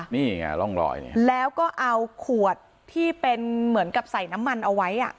นี่ไงร่องรอยเนี่ยแล้วก็เอาขวดที่เป็นเหมือนกับใส่น้ำมันเอาไว้อ่ะ